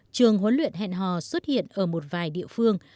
trường huấn luyện hẹn hò xuất hiện ở một vài địa phương